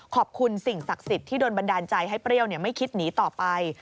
ขอบคุณสิ่งศักดิ์สิทธิ์ที่โดนบันดาลใจให้เปรี้ยวไม่คิดหนีต่อไป